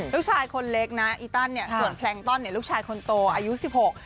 ลูกชายคนเล็กนะอีตันเนี่ยส่วนแพลงต้อนเนี่ยลูกชายคนโตอายุสิบหก